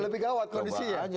lebih gawat kondisinya